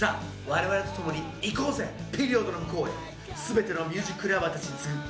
我々とともに行こうぜピリオドの向こうへ全てのミュージックラバー達に告ぐ